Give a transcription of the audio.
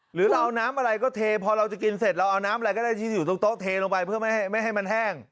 หรือเราเอาน้ำอะไรก็เทพอเราจะกินเสร็จเราเอาน้ำอะไรก็ได้ที่อยู่ตรงโต๊ะเทลงไปเพื่อไม่ให้มันแห้ง